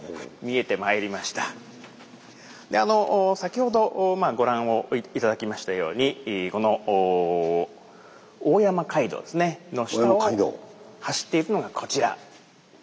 先ほどご覧を頂きましたようにこの大山街道ですねの下を走っているのがこちら。